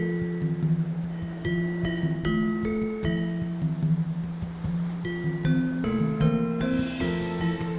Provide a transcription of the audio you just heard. masuk kawasan pesisir armada karena siapapa saja ukurannya sudah expired